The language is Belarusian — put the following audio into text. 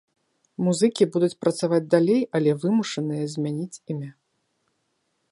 Музыкі будуць працаваць далей, але вымушаныя змяніць імя.